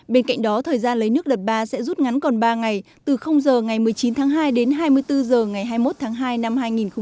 bên cạnh đó thời gian lấy nước đợt ba sẽ rút ngắn còn ba ngày từ giờ ngày một mươi chín tháng hai đến hai mươi bốn h ngày hai mươi một tháng hai năm hai nghìn hai mươi